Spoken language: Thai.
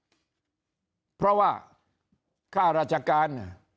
แม้ว่าค่าราชการ